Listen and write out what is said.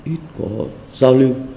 ít có giao lưu